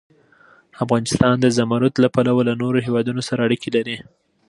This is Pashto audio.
افغانستان د زمرد له پلوه له نورو هېوادونو سره اړیکې لري.